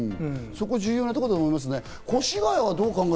そこは重要なことだと思います。